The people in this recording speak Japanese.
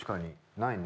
ないね。